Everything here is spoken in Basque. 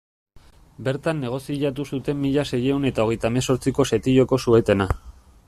Bertan negoziatu zuten mila seiehun eta hogeita hemezortziko setioko suetena.